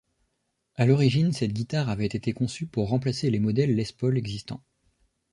À l'origine, cette guitare avait été conçue pour remplacer les modèles Les Paul existants.